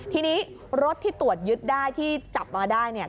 ทีนี้รถที่ตรวจยึดได้ที่จับมาได้เนี่ย